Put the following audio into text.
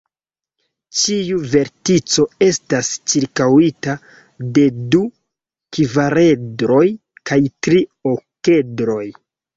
Ĉiu vertico estas ĉirkaŭita de du kvaredroj kaj tri okedroj.